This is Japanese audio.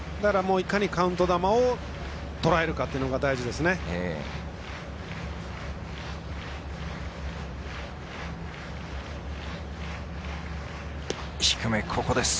いかにカウント球を捉えるかというのが大事ですね。